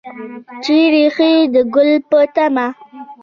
چې ریښې د ګل په تمه